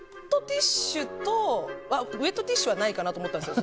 ウェットティッシュはないかなと思ったんですよ。